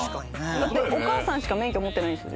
だってお母さんしか免許持ってないんですよね